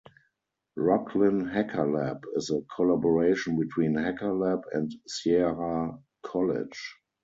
Rocklin Hacker Lab is a collaboration between Hacker Lab and Sierra College.